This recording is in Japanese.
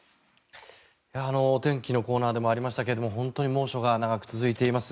天気のコーナーでもありましたけど本当に猛暑が長く続いています。